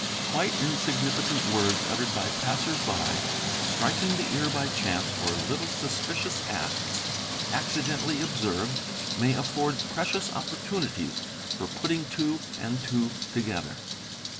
Quite insignificant words uttered by passers by, strik ing the ear by chance, or little suspicious acts accidentally observed, may afford precious opportunities for putting two and two together.